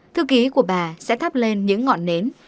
thư ký của bà sẽ thắp lên những ngọn nến